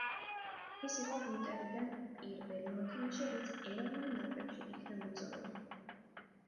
ის იყო ინტერიდან პირველი მოთამაშე, ვინც ეროვნულ ნაკრებში იქნა მიწვეული.